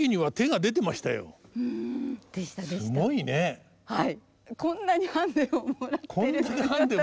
はい。